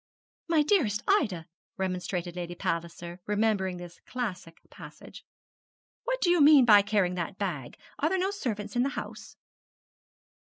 'My dearest Ida,' remonstrated Lady Palliser, remembering this classic passage, 'what do you mean by carrying that bag?' Are there no servants in the house?'